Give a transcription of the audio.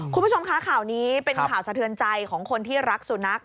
คุณผู้ชมคะข่าวนี้เป็นข่าวสะเทือนใจของคนที่รักสุนัข